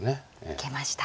受けました。